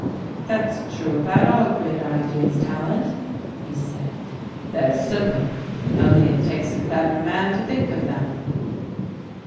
"That's true about all great ideas, Tallant," he said. "They're simple, only it takes a clever man to think of them."